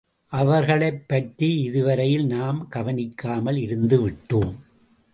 அவர்களைப்பற்றி இதுவரையில் நாம் கவனிக்காமல் இருந்துவிட்டோம்.